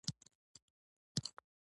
آیا ماموریت امانت دی؟